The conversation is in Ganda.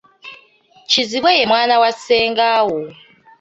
Kizibwe ye mwana wa ssengaawo.